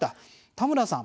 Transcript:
田村さん